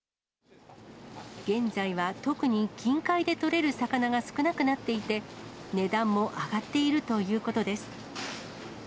現在は、特に近海で取れる魚が少なくなっていて、値段も上がっているということです。